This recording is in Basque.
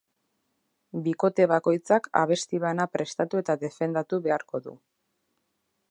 Bikote bakoitzak abesti bana prestatu eta defendatu beharko du.